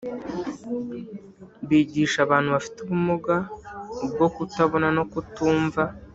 bigisha abantu bafite ubumuga ubwo kutabona no kutumva